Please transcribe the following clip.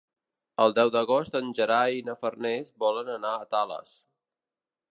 El deu d'agost en Gerai i na Farners volen anar a Tales.